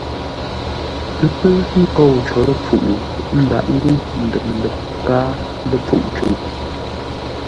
Pə́ pə́ kôu có ləpfuʼ, ə́ ndághʼ ngʉ ndəp-ndəp káa ləpfuʼ cûʼ.